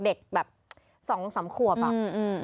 เด็กแบบสองสามขัวแบบ